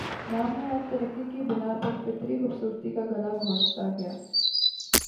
نام نہاد ترقی کی بنا پر فطری خوبصورتی کا گلا گھونٹتا گیا